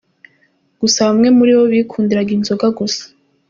Gusa bamwe muri bo bikundiraga inzoga gusa.